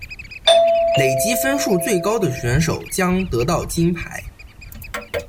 累积分数最高的选手将得到金牌。